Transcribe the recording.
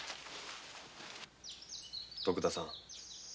徳田さん